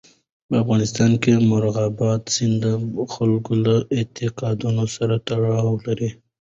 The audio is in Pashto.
په افغانستان کې مورغاب سیند د خلکو له اعتقاداتو سره تړاو لري.